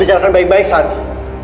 bisa bicarakan baik baik santi